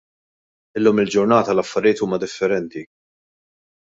Illum il-ġurnata l-affarijiet huma differenti.